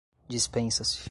Dispensa-se